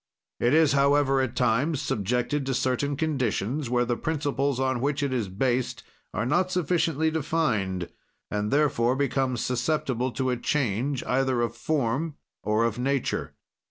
"It is, however, at times subjected to certain conditions, where the principles on which it is based are not sufficiently defined, and, therefore, becomes susceptible to a change, either of form or of nature.